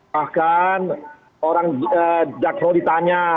bahkan orang jakpro ditanya